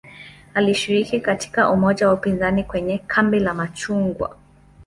Alishiriki katika umoja wa upinzani kwenye "kambi la machungwa".